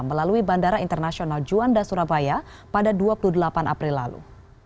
melalui bandara internasional juanda surabaya pada dua puluh delapan april lalu